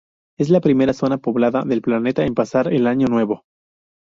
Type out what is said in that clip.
Es la primera zona poblada del planeta en pasar el año nuevo.